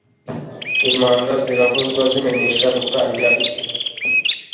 impanda ziravuzwa zimenyesha gutangira isabato.